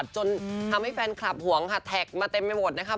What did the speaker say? จนทำให้แฟนคลับห่วงค่ะแท็กมาเต็มไปหมดนะคะ